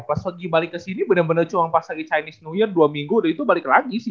pas lagi balik ke sini benar benar cuma pas lagi chinese new year dua minggu udah itu balik lagi sih